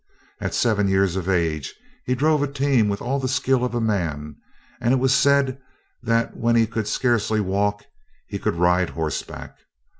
At seven years of age he drove a team with all the skill of a man; and it was said that when he could scarcely walk he could ride horseback.